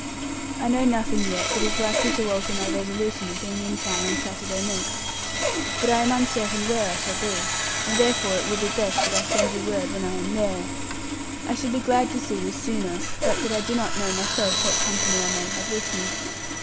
I know nothing yet that is likely to alter my resolution of being in town on Saturday next; but I am uncertain where I shall be, and therefore it will be best that I send you word when I am there. I should be glad to see you sooner, but that I do not know myself what company I may have with me.